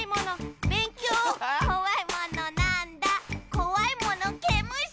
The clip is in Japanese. こわいものけむし。